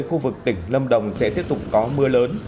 khu vực tỉnh lâm đồng sẽ tiếp tục có mưa lớn